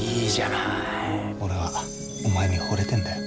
俺はお前にほれてんだよ。